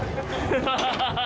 ・ハハハハハ！